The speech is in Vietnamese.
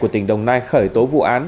của tỉnh đồng nai khởi tố vụ án